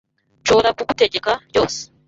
Nshobora kugutegeka ryose